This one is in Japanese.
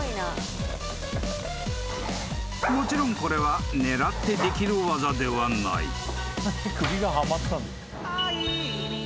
［もちろんこれは狙ってできる技ではない］